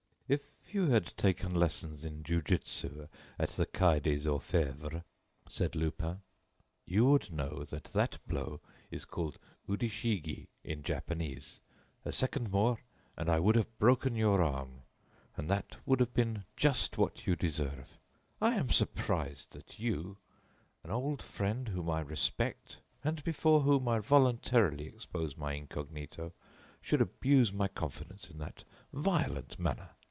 "If you had taken lessons in jiu jitsu at the quai des Orfèvres," said Lupin, "you would know that that blow is called udi shi ghi in Japanese. A second more, and I would have broken your arm and that would have been just what you deserve. I am surprised that you, an old friend whom I respect and before whom I voluntarily expose my incognito, should abuse my confidence in that violent manner.